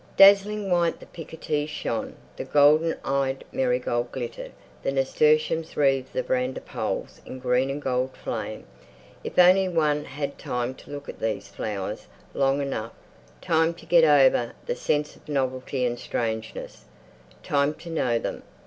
Dazzling white the picotees shone; the golden eyed marigold glittered; the nasturtiums wreathed the veranda poles in green and gold flame. If only one had time to look at these flowers long enough, time to get over the sense of novelty and strangeness, time to know them!